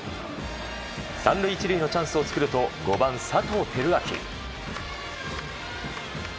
３塁１塁のチャンスを作ると５番、佐藤輝明。